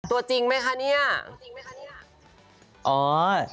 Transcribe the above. ตัวจริงไหมคะเนี่ย